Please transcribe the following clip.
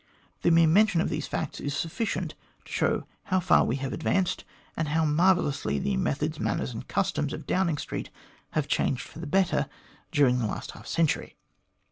The mere mention of these facts is sufficient to show how far we have advanced, and how marvellously the methods, manners, and customs of Downing Street have changed for the better during the last half century.